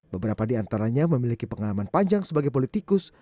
beberapa di antaranya memiliki pengalaman panjang sebagai politikus